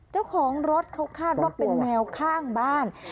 เจ้าของรถเขาคาดว่าเป็นแมวข้างบ้าน